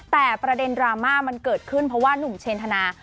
แต่ประเด็นดราม่ามันเกิดขึ้นเพราะว่านุ่มเชนธนา